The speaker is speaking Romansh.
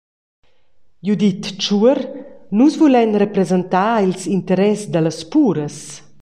Judith Tschuor: Nus vulein representar ils interess dallas puras.